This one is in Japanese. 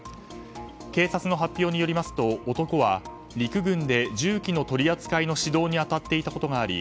警察の発表によりますと男は陸軍で銃器の取り扱いの指導に当たっていたことがあり